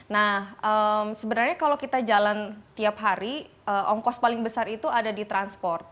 nah sebenarnya kalau kita jalan tiap hari ongkos paling besar itu ada di transport